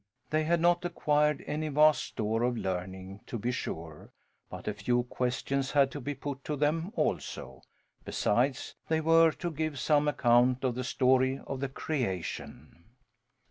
They had not acquired any vast store of learning, to be sure, but a few questions had to be put to them, also. Besides, they were to give some account of the Story of the Creation.